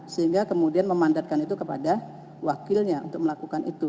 sehingga kemudian memandatkan itu kepada wakilnya untuk melakukan itu